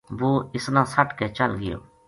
وہ اس نا سَٹ کے چل گیو